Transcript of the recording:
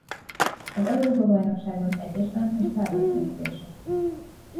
Az Európa-bajnokságon egyesben és párosban is kiesett.